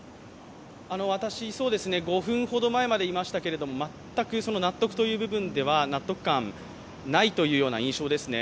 私、５分ほど前までいましたけれども、全く納得感、ないという印象ですね